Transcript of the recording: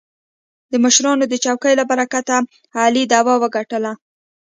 د مشرانو د چوکې له برکته علي دعوه وګټله.